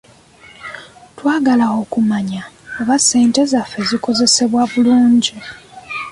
Twetaaga okumanya oba ssente zaffe zikozesebwa bulungi.